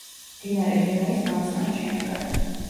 მდინარე დუნაის მარცხენა შენაკადი.